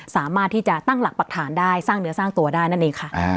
สามารถที่จะตั้งหลักปรักฐานได้สร้างเนื้อสร้างตัวได้นั่นเองค่ะ